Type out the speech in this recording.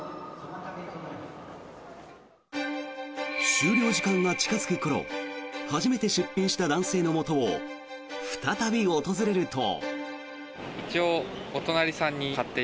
終了時間が近付く頃初めて出品した男性のもとを再び訪れると。